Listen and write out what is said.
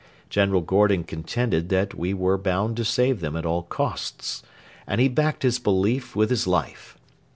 General Gordon contended that we were bound to save them at all costs, and he backed his belief with his life.